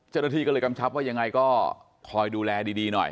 เจ้าหน้าที่ก็เลยกำชับว่ายังไงก็คอยดูแลดีหน่อย